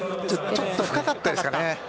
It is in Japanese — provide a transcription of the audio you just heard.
ちょっと深かったですかね。